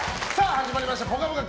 始まりました、「ぽかぽか」